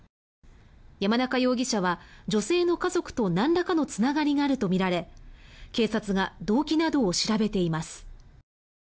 山中容疑者は女性の家族となんらかのつながりがあるとみられ警察が動機などを調べています。